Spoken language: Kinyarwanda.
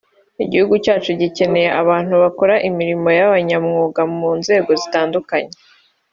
igihugu cyacu gikeneye abantu bakora imirimo b’abanyamwuga mu nzego zitandukanye